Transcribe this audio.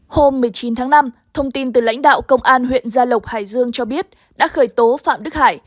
hôm một mươi chín tháng năm thông tin từ lãnh đạo công an huyện gia lộc hải dương cho biết đã khởi tố phạm đức hải